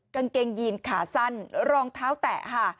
กางเกงยีนขาสั้นรองเท้าแตะค่ะ